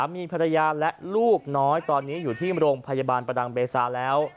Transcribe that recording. มีภรรยาและลูกน้อยตอนนี้อยู่ที่โรงพยาบาลประดังเบซาแล้ว